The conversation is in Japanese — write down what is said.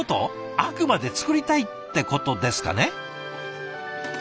あくまで作りたいってことですかね？